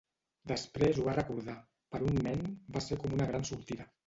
Després ho va recordar: "Per un nen, va ser com una gran sortida".